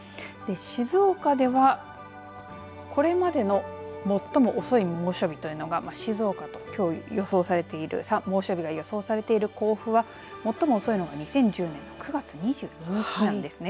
静岡ではこれまでの最も遅い猛暑日というのが静岡ときょう予想されている猛暑日が予想されている甲府は最も遅いのが２０１０年９月２２日ですね。